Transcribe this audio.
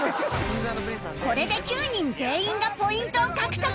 これで９人全員がポイントを獲得